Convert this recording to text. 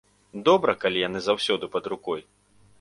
Добра, калі яны заўсёды пад рукой.